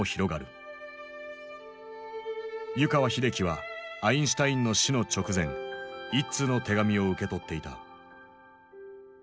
湯川秀樹はアインシュタインの死の直前一通の手紙を受け取っていた。